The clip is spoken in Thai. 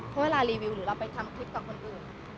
เพราะเวลารีวิวหรือเราไปทำคลิปกับคนอื่น